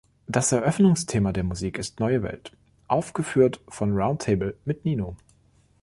Das Eröffnungsthema der Musik ist „Neue Welt“, aufgeführt von Round Table mit Nino.